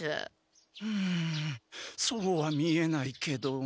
うんそうは見えないけど。